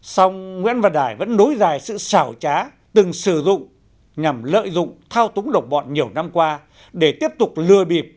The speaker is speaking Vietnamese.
xong nguyễn văn đài vẫn nối dài sự xảo trá từng sử dụng nhằm lợi dụng thao túng độc bọn nhiều năm qua để tiếp tục lừa bịp